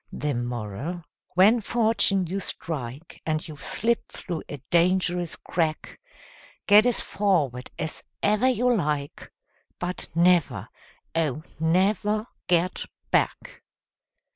The Moral: When fortune you strike, And you've slipped through a dangerous crack, Get as forward as ever you like, But never, oh, never get back!